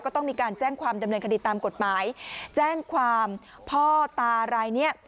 ต้องมีการแจ้งความดำเนินคดีตามกฎหมายแจ้งความพ่อตารายเนี้ย